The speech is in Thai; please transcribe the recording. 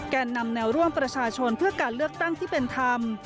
แก่นำแนวร่วมประชาชนเพื่อการเลือกตั้งที่เป็นธรรม